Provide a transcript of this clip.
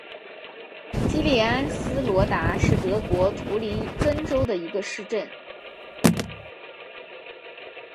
基利安斯罗达是德国图林根州的一个市镇。